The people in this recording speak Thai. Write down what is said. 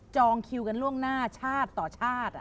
คิวกันล่วงหน้าชาติต่อชาติ